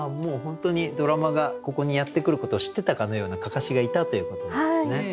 ドラマがここにやってくることを知ってたかのような案山子がいたということなんですね。